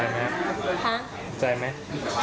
กำลังจะไปไหน